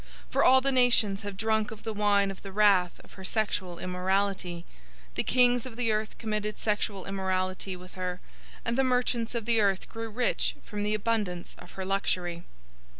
018:003 For all the nations have drunk of the wine of the wrath of her sexual immorality, the kings of the earth committed sexual immorality with her, and the merchants of the earth grew rich from the abundance of her luxury."